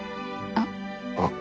あっ。